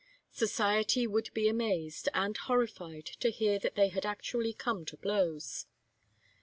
Society would be amazed and horrified to hear that they had actually come to blows.